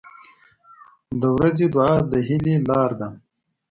• د ورځې دعا د هیلې لاره ده.